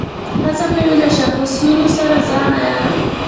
هڅه کوي له شاخصونو سره ځان عیار کړي.